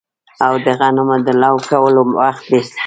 او د غنمو د لو کولو وخت دی